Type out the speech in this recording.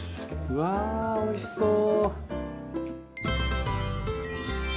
うわおいしそう。